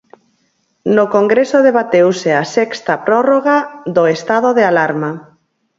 No Congreso debateuse a sexta prórroga do estado de alarma.